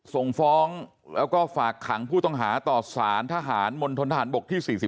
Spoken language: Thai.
ส่งฟ้องแล้วก็ฝากขังผู้ต้องหาต่อสารทหารมณฑนทหารบกที่๔๔